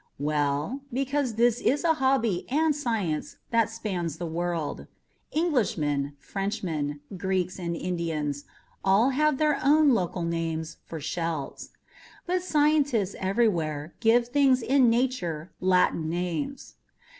Well, because this is a hobby and science that spans the world. Englishmen, Frenchmen, Greeks and Indians all have their own local names for shells. But scientists everywhere give things in nature Latin names.